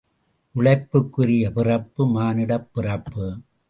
உழைப்புக்குரிய பிறப்பு, மானுடப் பிறப்பு.